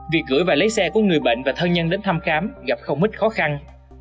việc gửi và lấy xe của người bệnh và thân nhân đến thăm khám gặp không ít khó khăn